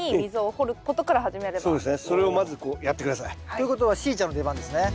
ということはしーちゃんの出番ですね。